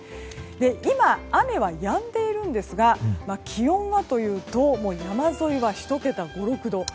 今、雨はやんでいるんですが気温はというともう山沿いは１桁、５６度。